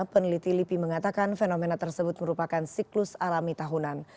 peneliti lipi mengatakan fenomena tersebut merupakan siklus alami tahunan